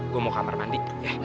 gue mau kamar mandi